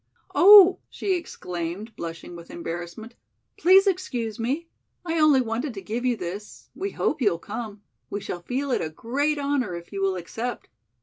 "Oh," she exclaimed, blushing with embarrassment. "Please excuse me. I only wanted to give you this. We hope you'll come. We shall feel it a great honor if you will accept."